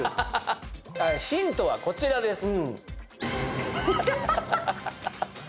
ヒントはこちらです。